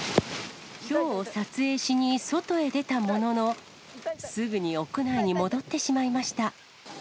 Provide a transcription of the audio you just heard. ひょうを撮影しに外へ出たものの、すぐに屋内に戻ってしまいました。